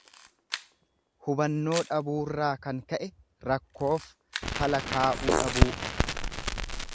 Hubannoo dhabuurraa kan ka'e rakkoof fala kaa'uu dhabuu.